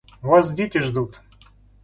Вас дети ждут.